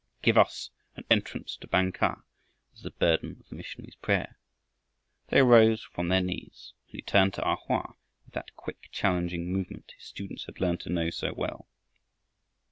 "Give us an entrance to Bang kah," was the burden of the missionary 's prayer. They arose from their knees, and he turned to A Hoa with that quick challenging movement his students had learned to know so well.